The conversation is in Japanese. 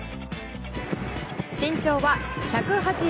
身長は１８５ｃｍ。